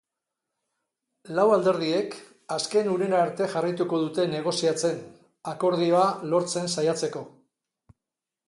Lau alderdiek azken unera arte jarraituko dute negoziatzen, akordioa lortzen saiatzeko.